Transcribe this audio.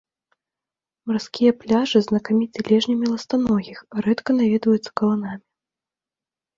Марскія пляжы знакаміты лежнямі ластаногіх, рэдка наведваюцца каланамі.